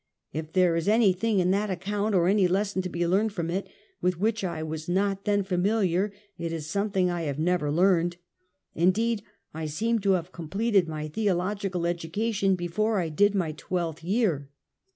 If there is any thing in that account, or any lesson to be drawn from it, with which I was not then familiar, it is something I have never learned. Indeed, I seemed to have completed my theological education before I did my twelfth year.